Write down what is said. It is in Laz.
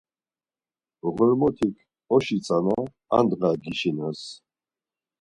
Ğormotik oşi tzana ar ndğa gişinas.